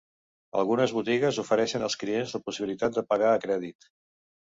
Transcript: Algunes botigues ofereixen als clients la possibilitat de pagar a crèdit.